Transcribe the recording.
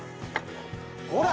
ほら！